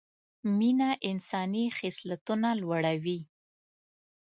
مینه انساني خصلتونه لوړه وي